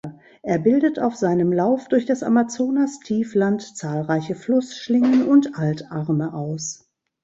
Er bildet auf seinem Lauf durch das Amazonastiefland zahlreiche Flussschlingen und Altarme aus.